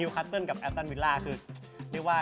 กับแอปตันวิลล่าคือเรียกว่า